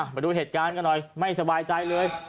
มาดูเหตุการณ์กันหน่อยไม่สบายใจเลย